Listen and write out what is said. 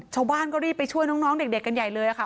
ชาวบ้านก็รีบไปช่วยน้องเด็กกันใหญ่เลยค่ะ